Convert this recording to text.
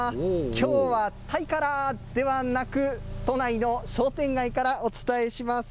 きょうはタイからではなく、都内の商店街からお伝えします。